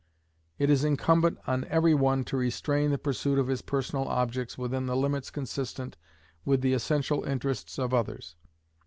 It is incumbent on every one to restrain the pursuit of his personal objects within the limits consistent with the essential interests of others.